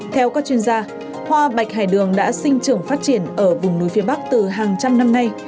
theo các chuyên gia hoa bạch hải đường đã sinh trưởng phát triển ở vùng núi phía bắc từ hàng trăm năm nay